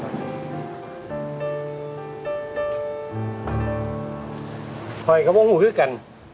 ถ้าเวลากระโปร่งหูขึ้นกัน